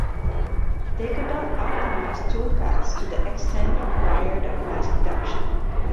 They could not optimize toolpaths to the extent required of mass production.